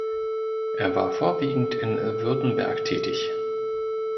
Er war vorwiegend in Württemberg tätig.